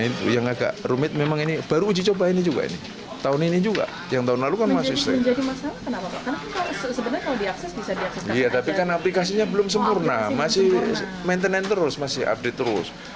masih maintenance terus masih update terus